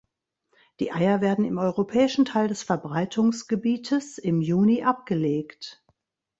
Die Eier werden im europäischen Teil des Verbreitungsgebietes im Juni abgelegt.